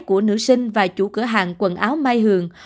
của nữ sinh và chủ cửa hàng quần áo mai hường